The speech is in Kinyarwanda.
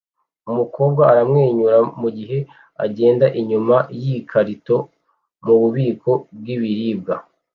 Umukobwa aramwenyura mugihe agendera inyuma yikarito mububiko bw'ibiribwa